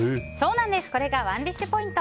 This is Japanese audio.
これがＯｎｅＤｉｓｈポイント。